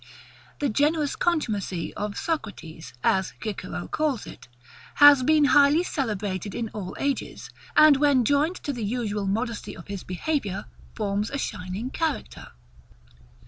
The generous contumacy of Socrates, as Cicero calls it, has been highly celebrated in all ages; and when joined to the usual modesty of his behaviour, forms a shining character.